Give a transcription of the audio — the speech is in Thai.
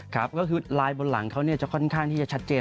ก็คือลายบนหลังเขาเนี่ยค่อนข้างที่จะชัดเจน